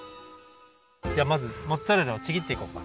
じゃあまずモッツァレラをちぎっていこうか！